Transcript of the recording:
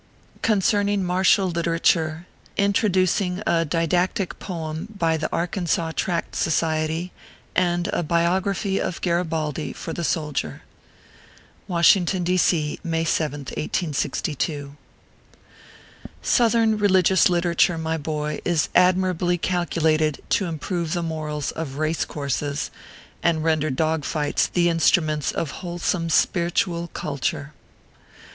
CONCERNING MARTIAL LITERATURE: INTRODUCING A DIDACTIC POEM BY THE "ARKANSAW TRACT SOCIETY," AND A BIOGRAPHY OF GARIBALDI FOR THE SOLDIER. WASHING FOX, D. C.,May 7th, 1S62. SOUTHERN religious literature, my boy, is admir ably calculated to improve the morals of race courses, and render dog fights the instruments of wholesoine spiritual culture.